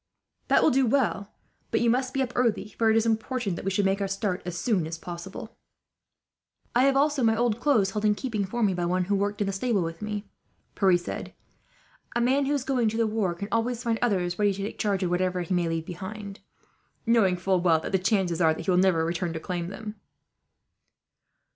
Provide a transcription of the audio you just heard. "That will do well; but you must be up early, for it is important we should make our start as soon as possible." "I also have my old clothes held in keeping for me, by one who worked in the stable with me," Pierre said. "A man who is going to the war can always find others ready to take charge of whatever he may leave behind, knowing full well that the chances are that he will never return to claim them."